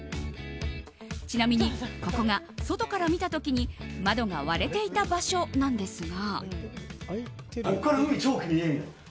ちなみに、ここが外から見た時に窓が割れていた場所なんですが。